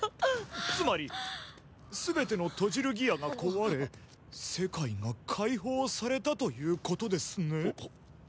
つまり全てのトジルギアが壊れ世界が解放されたということですね？